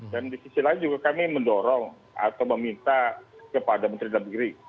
dan di sisi lain juga kami mendorong atau meminta kepada menteri dalam negeri